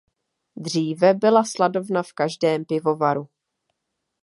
Dříve byla sladovna v každém pivovaru.